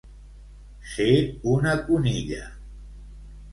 Ser una conilla.